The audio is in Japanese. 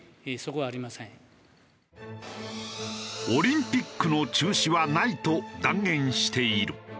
オリンピックの中止はないと断言している。